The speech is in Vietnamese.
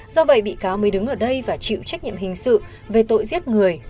do vậy bị cáo mới đứng ở đây và chịu trách nhiệm hình sự về tội giết người